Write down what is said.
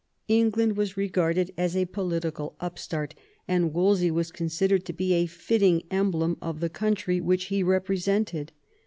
England was regarded as a political upstart, and Wolsey was considered to be a fitting emblem of the country which he represented.